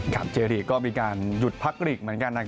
เจรีย์ก็มีการหยุดพักหลีกเหมือนกัน